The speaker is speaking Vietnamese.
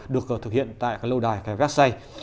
được thực hiện tại lâu đài vecchiai